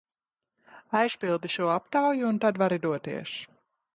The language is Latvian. Aizpildi šo aptauju un tad vari doties!